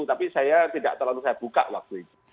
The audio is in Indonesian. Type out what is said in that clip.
tapi saya tidak terlalu saya buka waktu itu